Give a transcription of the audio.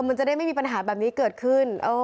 มันจะได้ไม่มีปัญหาแบบนี้เกิดขึ้น